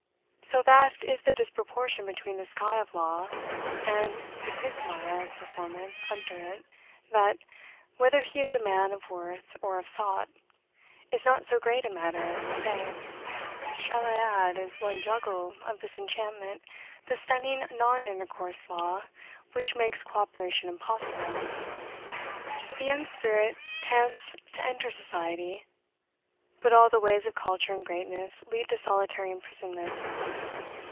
So vast is the disproportion between the sky of law and the pismire of performance under it, that, whether he is a man of worth or a sot, is not so great a matter as we say. Shall I add, as one juggle of this enchantment, the stunning non intercourse law which makes cooperation impossible? The young spirit pants to enter society. But all the ways of culture and greatness lead to solitary imprisonment.